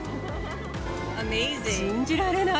信じられない！